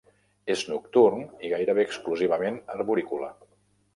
És nocturn i gairebé exclusivament arborícola.